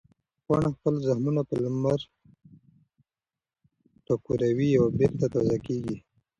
پاڼه خپل زخمونه په لمر ټکوروي او بېرته تازه کېږي.